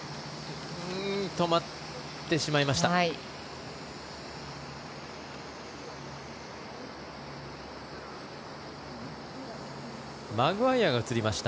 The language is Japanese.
止まってしまいました。